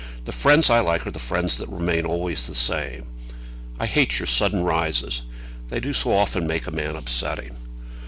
"The friends I like are the friends that remain always the same. I hate your sudden rises. They do so often make a man upsetting."